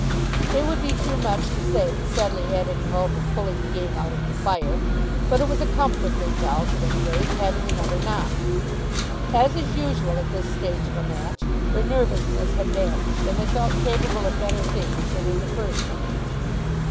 It would be too much to say that Sedleigh had any hope of pulling the game out of the fire; but it was a comfort, they felt, at any rate, having another knock. As is usual at this stage of a match, their nervousness had vanished, and they felt capable of better things than in the first innings.